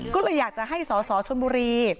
ก็เลยอยากจะให้สสชนบุรี